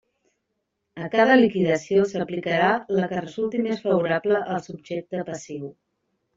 A cada liquidació s'aplicarà la que resulti més favorable al subjecte passiu.